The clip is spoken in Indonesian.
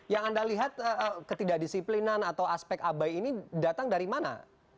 yang anda lihat ketidakdisiplinan atau aspek abai ini datang dari mana